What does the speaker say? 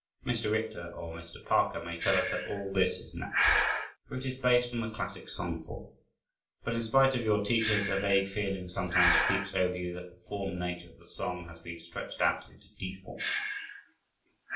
Mr. Richter or Mr. Parker may tell us that all this is natural, for it is based on the classic song form, but in spite of your teachers a vague feeling sometimes creeps over you that the form nature of the song has been stretched out into deformity.